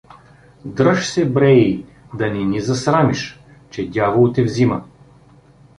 — Дръж се, брей, да не ни засрамиш, че дявол те взима!